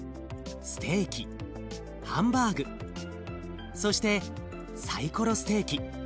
ステーキハンバーグそしてサイコロステーキ。